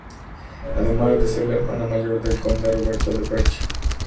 Además de ser la hermana mayor del conde Roberto de Perche.